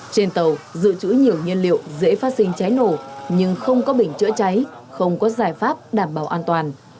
trên tàu dự trữ nhiều nhân liệu dễ phát sinh cháy nổ nhưng không có bình chữa cháy không có giải pháp đảm bảo an toàn